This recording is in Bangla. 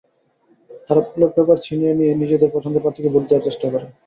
তারা ব্যালট পেপার ছিনিয়ে নিয়ে নিজেদের পছন্দের প্রার্থীকে ভোট দেওয়ার চেষ্টা করে।